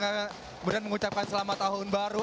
kemudian mengucapkan selamat tahun baru